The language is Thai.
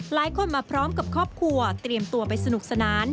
หลายคนมาพร้อมกับครอบครัวเตรียมตัวไปสนุกสนาน